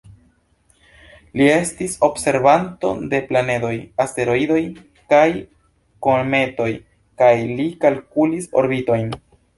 Li estis observanto de planedoj, asteroidoj kaj kometoj kaj li kalkulis orbitojn.